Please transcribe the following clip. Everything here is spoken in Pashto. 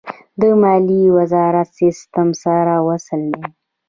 د مالیې وزارت سیستم سره وصل دی؟